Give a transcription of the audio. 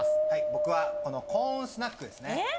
僕は、このコーンスナックですね。